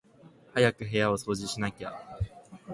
早く部屋を掃除しなきゃ